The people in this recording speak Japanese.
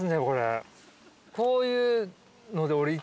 こういうので俺。